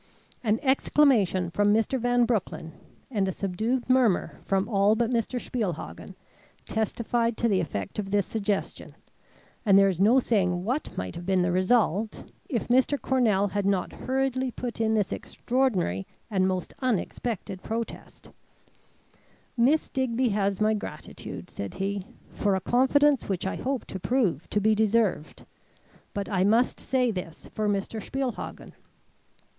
An exclamation from Mr. Van Broecklyn and a subdued murmur from all but Mr. Spielhagen testified to the effect of this suggestion, and there is no saying what might have been the result if Mr. Cornell had not hurriedly put in this extraordinary and most unexpected protest: "Miss Digby has my gratitude," said he, "for a confidence which I hope to prove to be deserved. But I must say this for Mr. Spielhagen.